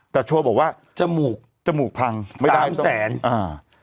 แต่โชว์บอกว่าจมูกจมูกพังไปสามแสนอ่า